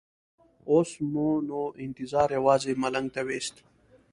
اوس مو نو انتظار یوازې ملنګ ته وېست.